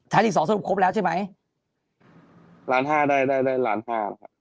ไทยฤกษ์๒สรุปครบแล้วใช่ไหม๑๕ล้านได้ได้๑๕ล้านครับ